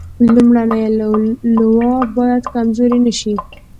لومړنۍ لواء باید کمزورې نه شي.